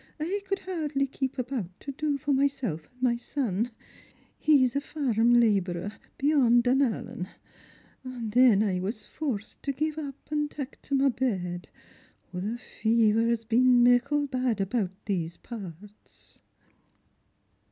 I ccnld hardly keep about to do for myself and my son ; he's a faria labourer, beyond Dunallen; and then I was forced to give up, and tak' to my bed. The fever's been mickle bad about th ese parts."